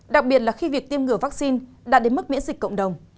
đặc biệt là khi việc tiêm ngừa vaccine đã đến mức miễn dịch cộng đồng